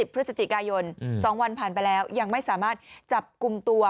พฤศจิกายน๒วันผ่านไปแล้วยังไม่สามารถจับกลุ่มตัว